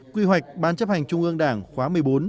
quy hoạch ban chấp hành trung ương đảng khóa một mươi bốn